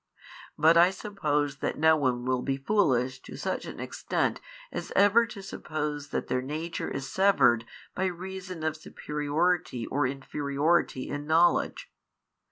But I suppose that no one will be foolish to such an extent as ever to suppose that their nature is severed by reason of superiority or inferiority in knowledge.